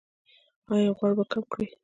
ایا غوړ به کم کړئ؟